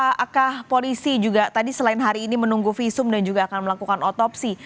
apakah polisi juga tadi selain hari ini menunggu visum dan juga akan melakukan otopsi